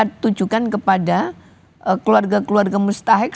kita tunjukkan kepada keluarga keluarga mustahik